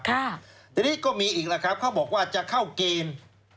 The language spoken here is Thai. ทีนี้ก็มีอีกแล้วครับเขาบอกว่าจะเข้าเกณฑ์